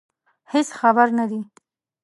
هېڅ خبر نه دي.